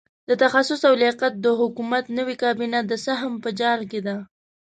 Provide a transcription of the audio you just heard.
د تخصص او لیاقت د حکومت نوې کابینه د سهم په جال کې ده.